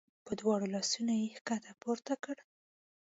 په دواړو لاسونو یې ښکته پورته کړ.